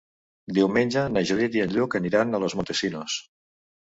Diumenge na Judit i en Lluc aniran a Los Montesinos.